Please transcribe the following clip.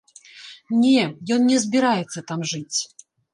Не, ён не збіраецца там жыць.